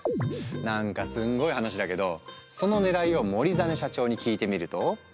なんかすんごい話だけどそのねらいを森實社長に聞いてみると。